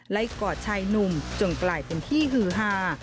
กอดชายหนุ่มจนกลายเป็นที่ฮือฮา